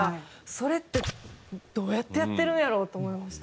それってどうやってやってるんやろうと思いました。